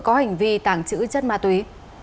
có hành vi tàng trữ chất ma túy